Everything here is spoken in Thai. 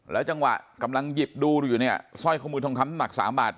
จังหวะกำลังหยิบดูอยู่เนี่ยสร้อยข้อมือทองคำน้ำหนัก๓บาท